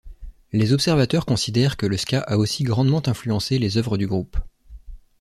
Les observateurs considèrent que le ska a aussi grandement influencé les œuvres du groupe.